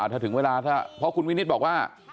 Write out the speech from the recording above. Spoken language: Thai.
ถ้าถึงเวลาเพราะว่าคุณวินิศบอกว่า